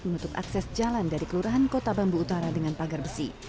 menutup akses jalan dari kelurahan kota bambu utara dengan pagar besi